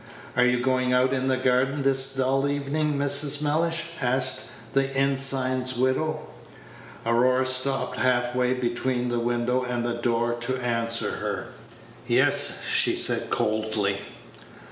"Are you going out in the garden this dull evening, Mrs. Mellish?" asked the ensign's widow. Aurora stopped half way between the window and the door to answer her. "Yes," she said coldly.